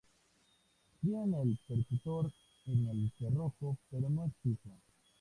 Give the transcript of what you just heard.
Tienen el percutor en el cerrojo pero no es fijo.